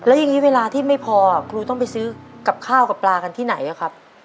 แล้วอย่างนี้เวลาที่ไม่พอครูต้องไปซื้อกับข้าวกับปลากันที่ไหนอะครับ